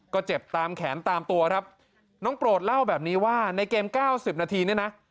ก็เจ็บตามแขนตามตัวครับน้องโปรดเล่าแบบนี้ว่าในเกมเก้าสิบนาทีเนี่ยนะ